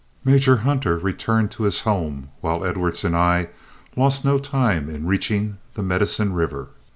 Major Hunter returned to his home, while Edwards and I lost no time in reaching the Medicine River.